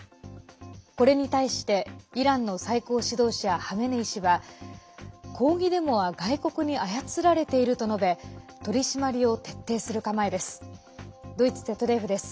これに対してイランの最高指導者ハメネイ師は抗議デモは外国に操られていると述べ取り締まりを徹底する構えです。